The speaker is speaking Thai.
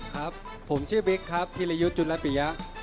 ครับผมชื่อบิ๊กครับธิรยุทธ์จุลปิยะ